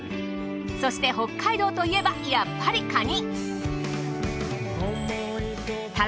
そして北海道といえばやっぱりカニ。